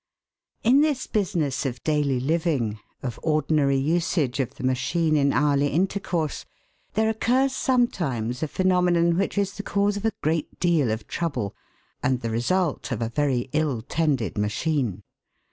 In this business of daily living, of ordinary usage of the machine in hourly intercourse, there occurs sometimes a phenomenon which is the cause of a great deal of trouble, and the result of a very ill tended machine.